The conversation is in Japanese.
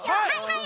はい！